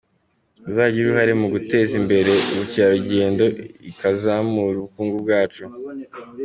Izagira uruhare mu guteza imbere ubukerarugengo ikazamure ubukungu bwacu.